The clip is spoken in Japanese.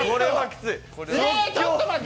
えー、ちょっと待って！